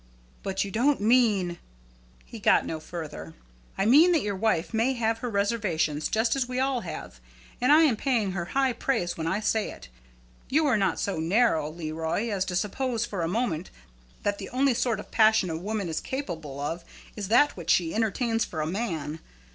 "But you don't mean " he got no further. "I mean that your wife may have her reservations, just as we all have, and I am paying her high praise when I say it. You are not so narrow, Leroy, as to suppose for a moment that the only sort of passion a woman is capable of is that which she entertains for a man.